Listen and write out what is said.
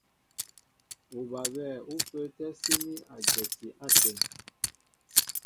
Ubabɛ̂ ú pə́ə́tɛ́ síní a dyɛti áteŋ.